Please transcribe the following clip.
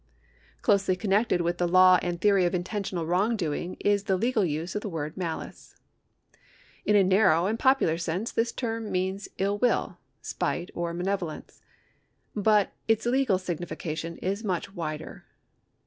Closely connected with the law and theory of intentional wrongdoing is the legal use of the word malice. In a narrow and popular sense this term means ill will, spite, or malevo lence ; but its legal signification is much wider.